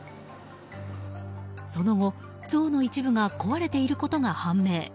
その後、像の一部が壊れていることが判明。